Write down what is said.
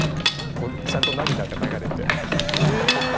こうちゃんと涙が流れてへえ！